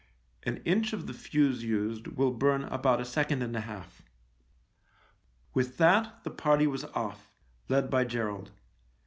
(An inch of the fuse used will burn about a second and a half.) With that the party was off, led by Gerald.